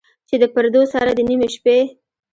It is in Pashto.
چې د پردو سره، د نیمې شپې،